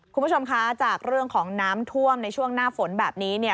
คุณผู้ชมคะจากเรื่องของน้ำท่วมในช่วงหน้าฝนแบบนี้เนี่ย